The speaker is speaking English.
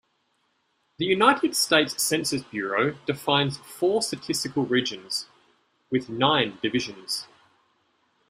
The United States Census Bureau defines four statistical regions, with nine divisions.